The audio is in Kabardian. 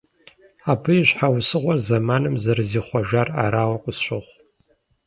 Абы и щхьэусыгъуэр зэманым зэрызихъуэжар арауэ къысщохъу.